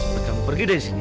cepet kamu pergi dari sini